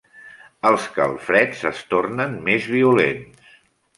Els calfreds es tornen més violents.